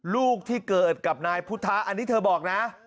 ลูกที่เกิดกับนายพุทธะอันนี้เธอบอกนะ